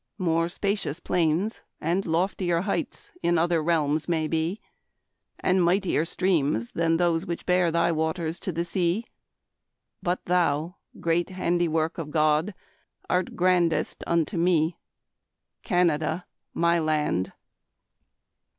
More spacious plains and loftier heights In other realms may be, And mightier streams than those which bear Thy waters to the sea; But thou, great handiwork of God, Art grandest unto me, Canada, my land.